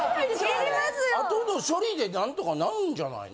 あとの処理で何とかなるんじゃないの？